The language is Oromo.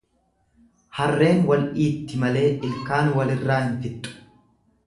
Harreen wal dhiitti malee ilkaan walirraa hin fixxu.